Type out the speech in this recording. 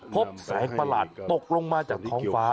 พบแสงประหลาดตกลงมาจากท้องฟ้า